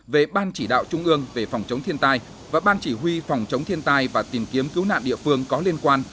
về ban chỉ đạo trung ương về phòng chống thiên tai và ban chỉ huy phòng chống thiên tai và tìm kiếm cứu nạn địa phương có liên quan